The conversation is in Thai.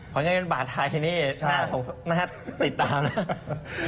เพราะยังเป็นบาทไทยที่นี่หน้าติดตามนะ